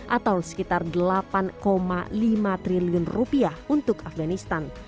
atau sekitar delapan lima triliun rupiah untuk afganistan